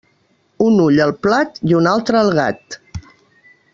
Un ull al plat i un altre al gat.